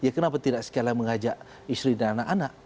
ya kenapa tidak sekalian mengajak istri dan anak anak